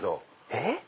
えっ！